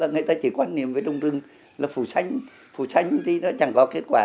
người ta chỉ quan niệm với trong rừng là phủ xanh phủ xanh thì nó chẳng có kết quả